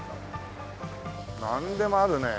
なんでもあるね。